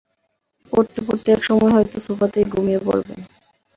পড়তে-পড়তে একসময় হয়তো সোফাতেই ঘুমিয়ে পড়বেন!